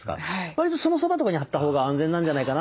わりとそのそばとかに張った方が安全なんじゃないかな